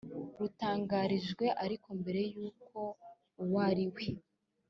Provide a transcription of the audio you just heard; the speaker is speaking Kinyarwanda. rutangarijwe ariko mbere y uko uwo ari we